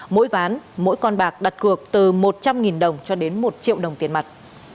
mỗi ván mỗi con bạc đặt cược từ một trăm linh đồng cho đến một triệu đồng tiền mặt